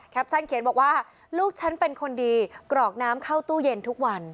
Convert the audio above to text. เขียนบอกว่าลูกฉันเป็นคนดีกรอกน้ำเข้าตู้เย็นทุกวัน